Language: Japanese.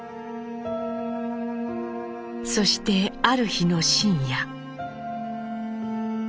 そしてある日の深夜。